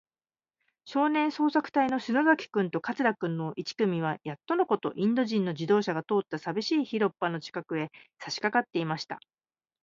少年捜索隊そうさくたいの篠崎君と桂君の一組は、やっとのこと、インド人の自動車が通ったさびしい広っぱの近くへ、さしかかっていました。